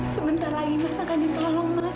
sebentar lagi mas akan ditolong mas